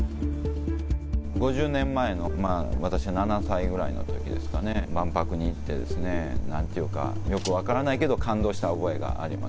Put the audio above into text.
５０年前の、私、７歳ぐらいのときですかね、万博に行って、なんていうか、よく分からないけど感動した覚えがあります。